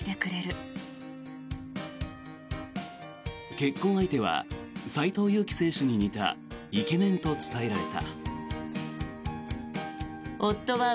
結婚相手は斎藤佑樹選手に似たイケメンと伝えられた。